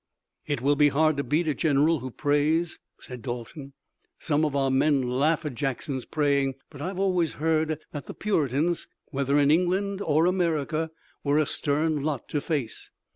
"It will be hard to beat a general who prays," said Dalton. "Some of our men laugh at Jackson's praying, but I've always heard that the Puritans, whether in England or America, were a stern lot to face."